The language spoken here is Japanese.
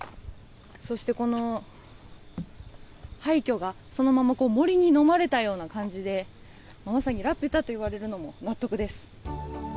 そして、この廃虚がそのまま森にのまれたような感じでまさにラピュタと言われるのも納得です。